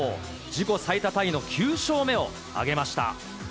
自己最多タイの９勝目を挙げました。